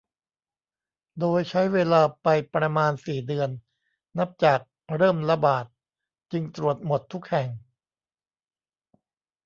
โดยใช้เวลาไปประมาณสี่เดือนนับจากเริ่มระบาด จึงตรวจหมดทุกแห่ง